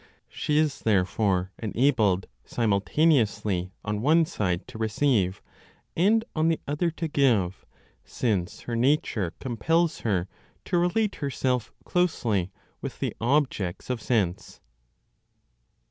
She is therefore enabled simultaneously on one side to receive, and on the other to give, since her nature compels her to relate herself closely with the objects of sense.